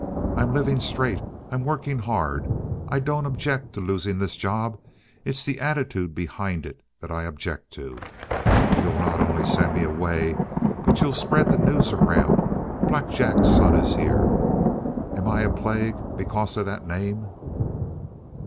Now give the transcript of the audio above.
I'm living straight. I'm working hard. I don't object to losing this job. It's the attitude behind it that I object to. You'll not only send me away, but you'll spread the news around Black Jack's son is here! Am I a plague because of that name?"